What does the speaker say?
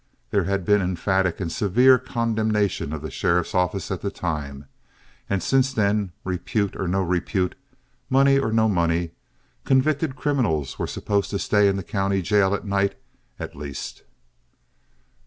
There had been emphatic and severe condemnation of the sheriff's office at the time, and since then, repute or no repute, money or no money, convicted criminals were supposed to stay in the county jail at night at least.